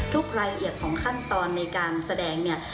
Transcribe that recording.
รายละเอียดของขั้นตอนในการแสดงเนี่ย